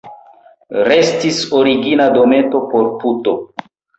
Restis origina dometo por puto.